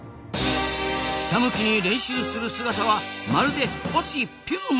ひたむきに練習する姿はまるで星ぴゅうま！